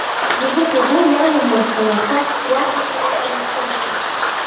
Ливук угәы иалумырсын, аха уахь ацара сара исылшом.